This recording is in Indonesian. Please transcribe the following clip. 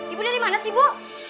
ibu dari mana sih bu